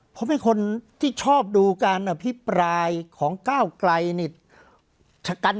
เพราะเป็นคนที่ชอบดูการอภิปรายของเก้าไกลเนี่ย